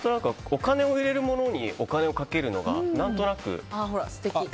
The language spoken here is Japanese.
お金を入れるものにお金をかけるのが何となく。